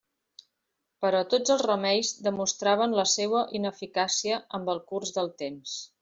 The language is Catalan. Però tots els remeis demostraven la seua ineficàcia amb el curs del temps.